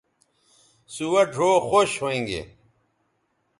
سوہ ڙھؤ خوش ھویں گے